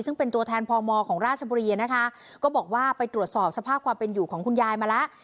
ซึ่งเป็นตัวแทนพมของราชบุรีนะคะก็บอกว่าไปตรวจสอบสภาพความเป็นอยู่ของคุณยายมาแล้ว